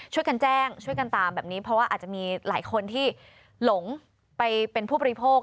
ช่วยกันแจ้งช่วยกันตามแบบนี้เพราะว่าอาจจะมีหลายคนที่หลงไปเป็นผู้บริโภค